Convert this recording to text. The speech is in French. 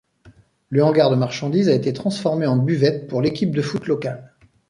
Le hangar de marchandises a été transformé en buvette pour l'équipe de foot locale.